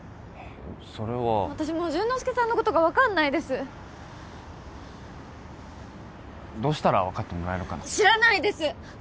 それは私もう潤之介さんのことが分かんないですどうしたら分かってもらえるかな知らないです